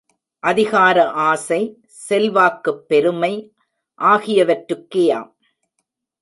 அதிகார ஆசை, செல்வாக்குப் பெருமை ஆகியனவற்றுக்கேயாம்.